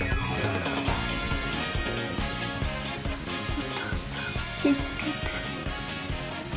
お父さんを見つけて。